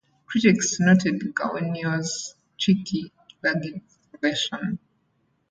Critics noted Galeon's tricky plugin installation.